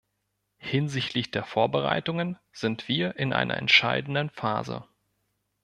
Hinsichtlich der Vorbereitungen sind wir in einer entscheidenden Phase.